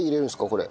これ。